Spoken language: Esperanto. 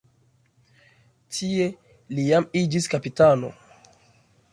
Tie li jam iĝis kapitano.